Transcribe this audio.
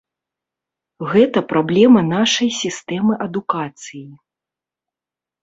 Гэта праблема нашай сістэмы адукацыі.